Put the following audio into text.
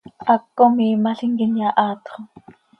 Haptco miimalim quih inyahaatxo.